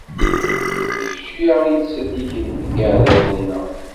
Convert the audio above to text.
D kečč i aɣ-ittselliken seg yiɛdawen-nneɣ.